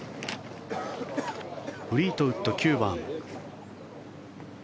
フリートウッド、９番。